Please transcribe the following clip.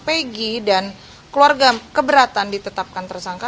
pegi dan keluarga keberatan ditetapkan tersangka